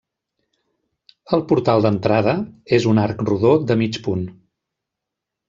El portal d'entrada és un arc rodó de mig punt.